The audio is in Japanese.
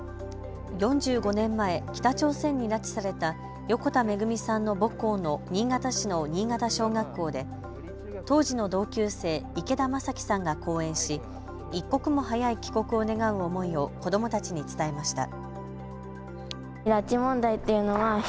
４５年前、北朝鮮に拉致された横田めぐみさんの母校の新潟市の新潟小学校で当時の同級生、池田正樹さんが講演し一刻も早い帰国を願う思いを子どもたちに伝えました。